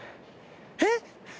えっ？